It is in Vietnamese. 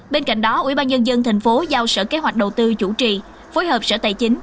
bên cạnh đó ủy ban nhân dân thành phố giao sở kế hoạch đầu tư chủ trì phối hợp sở tài chính